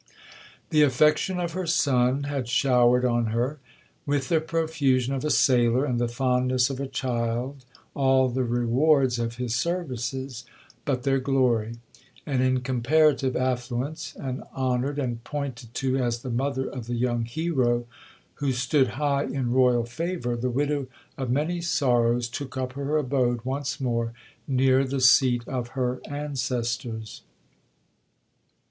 'The affection of her son had showered on her, with the profusion of a sailor, and the fondness of a child, all the rewards of his services—but their glory;—and in comparative affluence, and honoured and pointed to as the mother of the young hero who stood high in royal favour, the widow of many sorrows took up her abode once more near the seat of her ancestors.